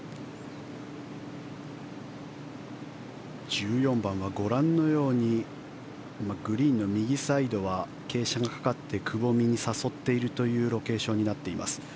１４番はご覧のようにグリーンの右サイドは傾斜がかかってくぼみに誘っているというロケーションになっています。